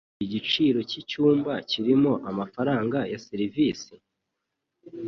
Igiciro cyicyumba kirimo amafaranga ya serivisi?